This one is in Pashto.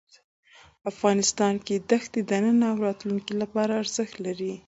افغانستان کې دښتې د نن او راتلونکي لپاره ارزښت لري.